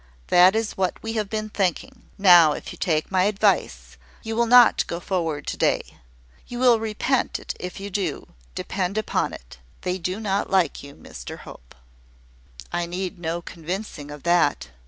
That is what we have been thinking. Now, if you take my advice, you will not go forward to day. You will repent it if you do, depend upon it. They do not like you, Mr Hope." "I need no convincing of that.